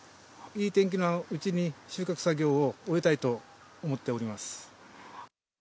いい天気のうちに収穫作業を終えたいと思っております。